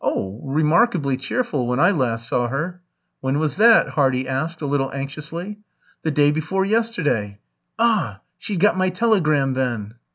"Oh, remarkably cheerful, when I last saw her." "When was that?" Hardy asked, a little anxiously. "The day before yesterday." "Ah! She'd got my telegram then."